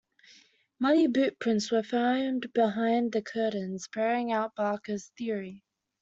Muddy boot-prints were found behind the curtains, bearing out Barker's theory.